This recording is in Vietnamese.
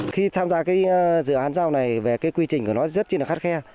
khi tham gia cái dự án rau này về cái quy trình của nó rất là khắt khe